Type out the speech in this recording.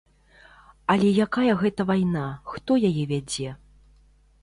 Але якая гэта вайна, хто яе вядзе?